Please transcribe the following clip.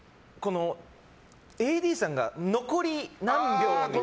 ＡＤさんが残り何秒みたいな。